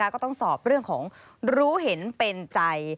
ก็ต้องสอบเรื่องของรู้เห็นเป็นใจ